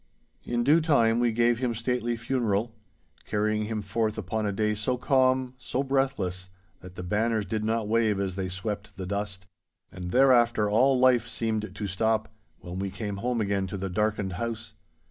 In due time we gave him stately funeral, carrying him forth upon a day so calm, so breathless, that the banners did not wave as they swept the dust. And thereafter all life seemed to stop, when we came home again to the darkened house.